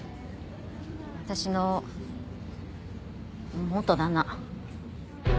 私の元旦那。